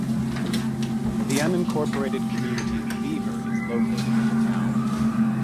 The unincorporated community of Beaver is located in the town.